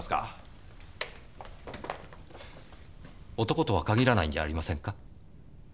男とは限らないんじゃありませんか？